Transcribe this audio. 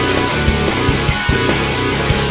ดีดีดี